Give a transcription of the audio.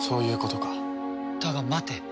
だが待て。